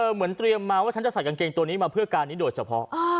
เหมือนเตรียมมาว่าฉันจะใส่กางเกงตัวนี้มาเพื่อการนี้โดยเฉพาะ